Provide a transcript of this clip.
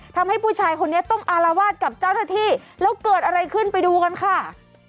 ทำให้ผู้ชายคนนี้ต้องอารวาสกับเจ้าหน้าที่แล้วเกิดอะไรขึ้นไปดูกันค่ะ